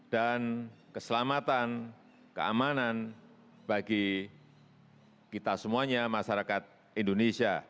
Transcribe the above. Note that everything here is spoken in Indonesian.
dan keselamatan keamanan bagi kita semuanya masyarakat indonesia